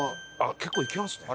結構行きますね。